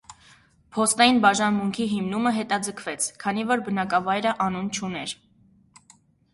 Փոստային բաժանմունքի հիմնումը հետաձգվեց, քանի որ բնակավայրը անուն չուներ։